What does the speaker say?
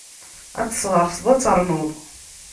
Ad tesɣeṛṣeḍ, ad ternuḍ!